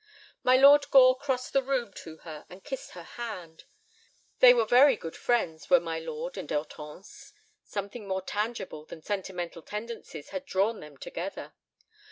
My Lord Gore crossed the room to her and kissed her hand. They were very good friends were my lord and Hortense. Something more tangible than sentimental tendencies had drawn them together.